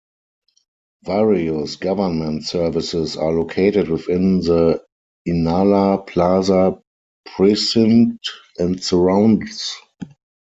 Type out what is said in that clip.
Various government services are located within the Inala Plaza precinct and surrounds.